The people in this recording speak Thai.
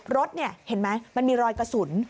รถเห็นไหมมันมีรอยกระสุน